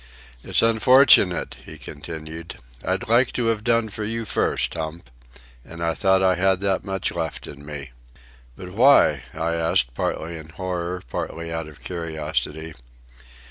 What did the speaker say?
"It's unfortunate," he continued. "I'd liked to have done for you first, Hump. And I thought I had that much left in me." "But why?" I asked; partly in horror, partly out of curiosity.